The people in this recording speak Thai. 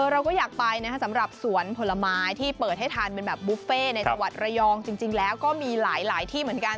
เราก็อยากไปนะครับสำหรับสวนผลไม้ที่เปิดให้ทานเป็นแบบบุฟเฟ่ในจังหวัดระยองจริงแล้วก็มีหลายที่เหมือนกัน